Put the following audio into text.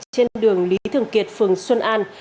trên đường lý thường kiệt phường xuân an